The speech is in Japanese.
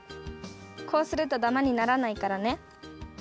こうするとダマにならないからね。